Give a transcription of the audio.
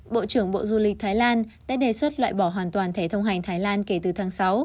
bộ trưởng bộ du lịch thái lan đã đề xuất loại bỏ hoàn toàn thẻ thông hành thái lan kể từ tháng sáu